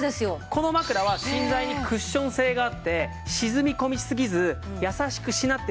この枕は芯材にクッション性があって沈み込みすぎず優しくしなって戻る力